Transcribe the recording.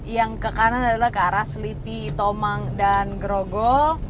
yang ke kanan adalah ke arah selipi tomang dan grogol